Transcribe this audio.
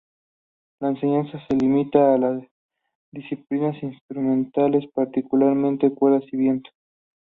La enseñanza se limita a las disciplinas instrumentales, particularmente cuerdas y vientos.